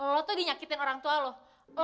lo tuh dinyakitin orang tua loh